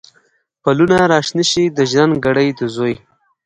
پلونه را شنه شي، د ژرند ګړی د زوی